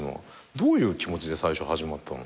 どういう気持ちで最初始まったの？